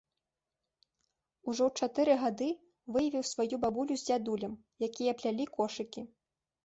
Ужо ў чатыры гады выявіў сваю бабулю з дзядулем, якія плялі кошыкі.